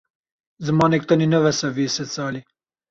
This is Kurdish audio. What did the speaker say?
Zimanek tenê ne bes e vê sedsalê.